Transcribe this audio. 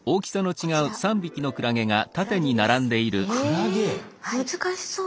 え難しそう。